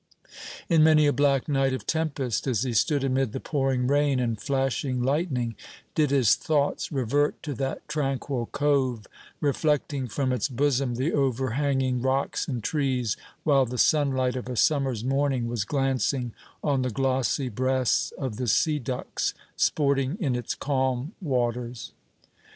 In many a black night of tempest, as he stood amid the pouring rain and flashing lightning, did his thoughts revert to that tranquil cove, reflecting from its bosom the overhanging rocks and trees, while the sunlight of a summer's morning was glancing on the glossy breasts of the sea ducks sporting in its calm waters.